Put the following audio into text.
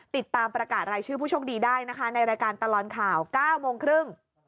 ติดตามประกาศรายชื่อผู้โชคดีได้นะคะในรายการตลอดข่าว๙โมงครึ่ง